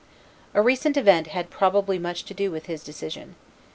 A recent event had probably much to do with his decision.